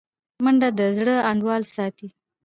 منډه د زړه انډول ساتي